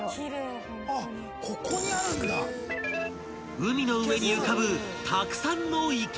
［海の上に浮かぶたくさんのいけす］